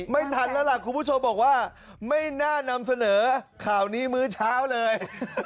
ไม่ทันแล้วล่ะคุณผู้ชมบอกว่าไม่น่านำเสนอข่าวนี้มื้อเช้าเลย